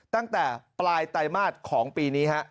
ตั้งแต่ปลายไตรมาสของปีนี้ฮะ